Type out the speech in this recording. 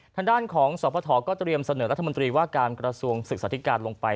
ทางด้านของสพก็เตรียมเสนอรัฐมนตรีว่าการกระทรวงศึกษาธิการลงไป